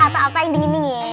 atau apa yang dingin dingin